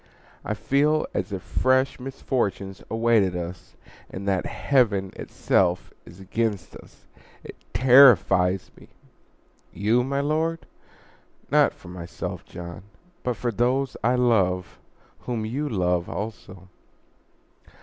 I feel as if fresh misfortunes awaited us, and that Heaven itself is against us. It terrifies me!" "You, my Lord?" "Not for myself, John, but for those I love whom you love, also."